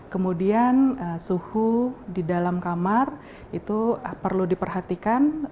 kemudian suhu di dalam kamar itu perlu diperhatikan